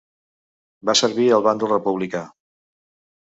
Va servir al bàndol republicà.